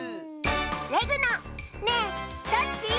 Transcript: レグの「ねえどっち？」。